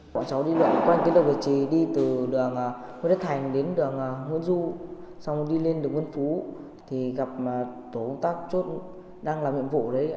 bọn cháu đi đoạn quanh kết độc vị trí đi từ đường hương đất thành đến đường hương du xong đi lên đường vân phú thì gặp tổ công tác chốt đang làm nhiệm vụ đấy